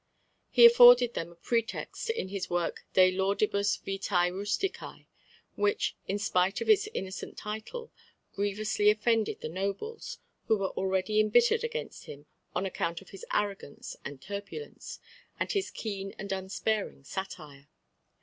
He afforded them a pretext in his work De laudibus vitae rusticae, which, in spite of its innocent title, grievously offended the nobles, who were already embittered against him on account of his arrogance and turbulence, and his keen and unsparing satire.